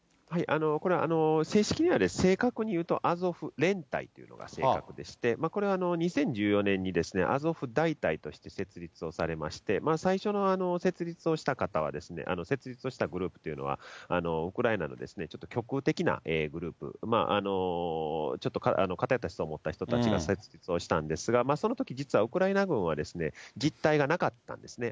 これは正式には、正確に言うとアゾフ連隊というのが正確でして、これは２０１４年にアゾフ大隊として設立をされまして、最初の設立をした方は、設立をしたグループというのは、ウクライナのちょっと極右的なグループ、ちょっと偏った思想を持った人たちが設立をしたんですが、そのとき、実はウクライナ軍は、実態がなかったんですね。